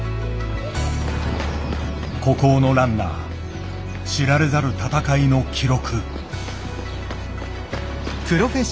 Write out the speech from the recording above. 孤高のランナー知られざる闘いの記録。